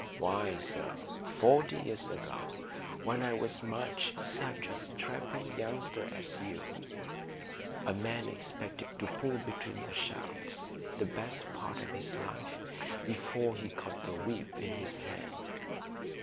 Why, sir, forty years ago, when I was much such a strapping youngster as you, a man expected to pull between the shafts the best part of his life, before he got the whip in his hand.